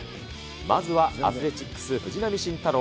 まずはアスレチックス、藤浪晋太郎。